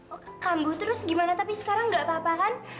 oke kangguh terus gimana tapi sekarang gak apa apa kan